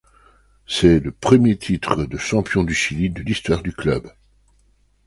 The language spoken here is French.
C'est le premier titre de champion du Chili de l'histoire du club.